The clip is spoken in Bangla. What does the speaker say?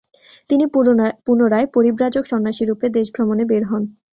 তিনি পুনরায় পরিব্রাজক সন্ন্যাসীরূপে দেশভ্রমণে বের হন।